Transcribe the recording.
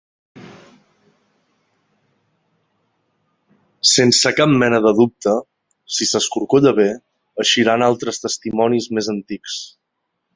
Sense cap mena de dubte, si s’escorcolla bé, eixiran altres testimonis més antics.